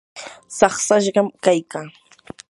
saqsashqam kaykaa.